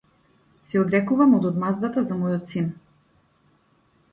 Се одрекувам од одмаздата за мојот син.